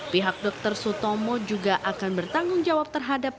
pihak dr sutomo juga akan bertanggung jawab terhadap